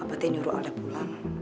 apa teh nyuruh alda pulang